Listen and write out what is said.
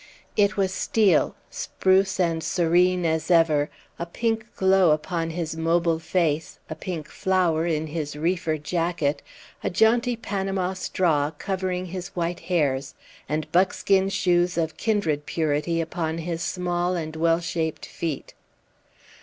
It was Steel, spruce and serene as ever, a pink glow upon his mobile face, a pink flower in his reefer jacket, a jaunty Panama straw covering his white hairs, and buckskin shoes of kindred purity upon his small and well shaped feet.